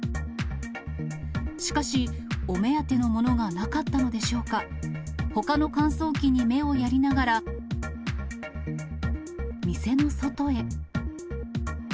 しかし、お目当てのものがなかったのでしょうか、ほかの乾燥機に目をやりながら、店の外へ。